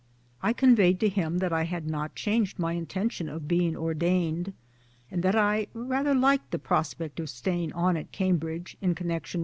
I conveyed to him that I had not changed my intention of being ordained, and that I rather liked the pros pect of staying on at Cambridge in connection